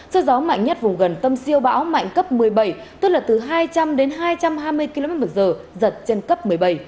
sự gió mạnh nhất vùng gần tâm siêu bão mạnh cấp một mươi bảy tức là từ hai trăm linh đến hai trăm hai mươi kmh giật trên cấp một mươi bảy